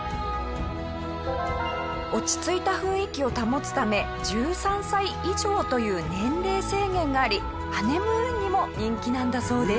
落ち着いた雰囲気を保つため１３歳以上という年齢制限がありハネムーンにも人気なんだそうです。